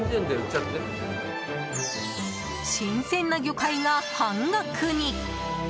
新鮮な魚介が半額に。